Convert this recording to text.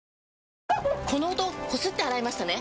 この音こすって洗いましたね？